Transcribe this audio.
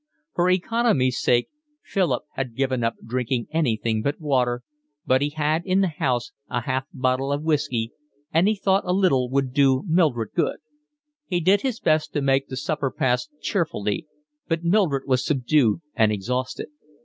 For economy's sake Philip had given up drinking anything but water, but he had in the house a half a bottle of whiskey, and he thought a little would do Mildred good. He did his best to make the supper pass cheerfully, but Mildred was subdued and exhausted.